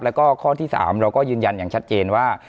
แล้วก็ข้อที่๓เราก็ยืนยันอย่างชัดเจนว่า